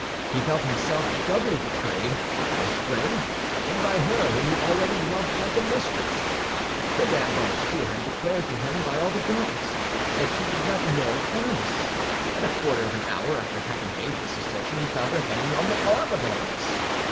He felt himself doubly betrayed, by his friend and by her whom he already loved like a mistress. Mme. Bonacieux had declared to him, by all the gods, that she did not know Aramis; and a quarter of an hour after having made this assertion, he found her hanging on the arm of Aramis.